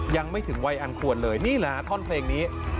ยังไม่ถึงวัยอันควรเลยนี่แหละท่อนเพลงนี้